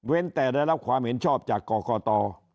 แต่ได้รับความเห็นชอบจากกรกต